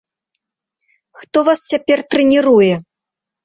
Хто вас цяпер трэніруе?